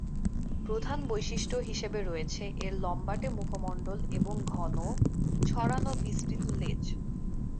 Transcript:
প্রধান বৈশিষ্ট্য হিসেবে রয়েছে এর লম্বাটে মুখমণ্ডল এবং ঘন, ছড়ানো বিস্তৃত লেজ।